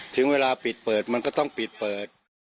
ถึงเวลาปิดเปิดมันก็ต้องปิดเปิด